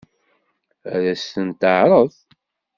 Ad as-ten-teɛṛeḍ?